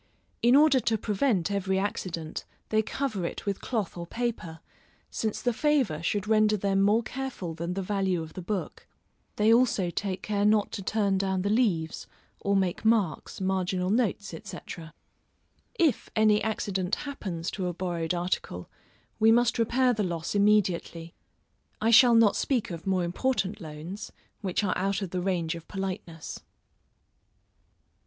In order to prevent every accident, they cover it with cloth or paper, since the favor should render them more careful than the value of the book; they also take care not to turn down the leaves, or make marks, marginal notes, &c. If any accident happens to a borrowed article, we must repair the loss immediately. I shall not speak of more important loans, which are out of the range of politeness.